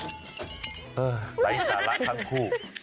เออไฟสาระทั้งคู่